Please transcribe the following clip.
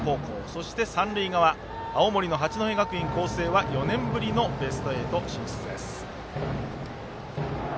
そして、三塁側青森の八戸学院光星は４年ぶりのベスト８進出です。